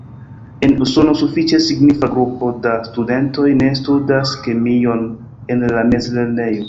En Usono, sufiĉe signifa grupo da studentoj ne studas kemion en la mezlernejo.